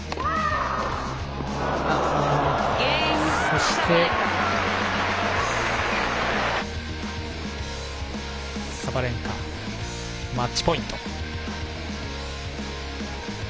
そして、サバレンカマッチポイント。